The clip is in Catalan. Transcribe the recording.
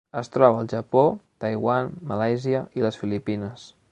Es troba al Japó, Taiwan, Malàisia i les Filipines.